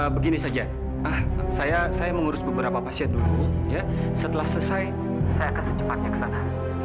begini saja saya mengurus beberapa pasien dulu setelah selesai saya akan secepatnya ke sana